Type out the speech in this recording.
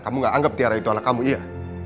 kamu gak anggap tiara itu ala kamu iya